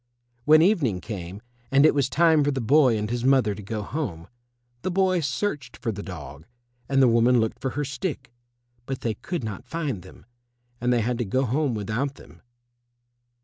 When evening came, and it was time for the boy and his mother to go home, the boy searched for the dog and the woman looked for her stick, but they could not find them, and they had to go home without them.